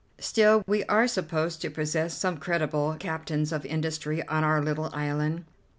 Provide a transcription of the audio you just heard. Still, we are supposed to possess some creditable captains of industry on our little island."